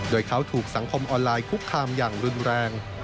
โดยเขาถูกสังคมออนไลน์คุกคามอย่างรุนแรง